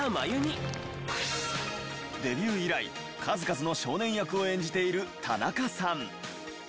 デビュー以来数々の少年役を演じている田中さん。